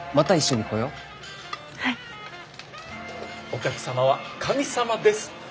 お客様は神様です。